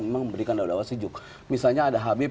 memberikan daudah sejuk misalnya ada habib